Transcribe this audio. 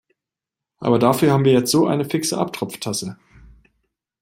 Aber dafür haben wir jetzt so eine fixe Abtropftasse.